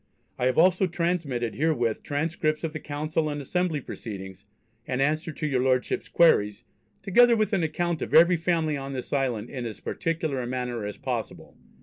I have also transmitted herewith transcripts of the Council and Assembly proceedings, and answers to your Lordships' queries, together with an account of every family on this island in as particular a manner as possible....